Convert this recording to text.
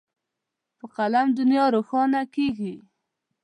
په قلم دنیا روښانه کېږي.